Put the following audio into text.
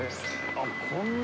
あっこんな。